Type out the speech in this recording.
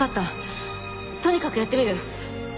とにかくやってみる。